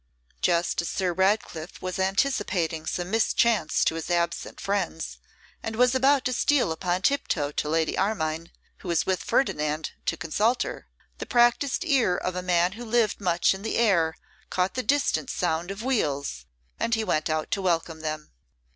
Just as Sir Ratcliffe was anticipating some mischance to his absent friends, and was about to steal upon tip toe to Lady Armine, who was with Ferdinand, to consult her, the practised ear of a man who lived much in the air caught the distant sound of wheels, and he went out to welcome them.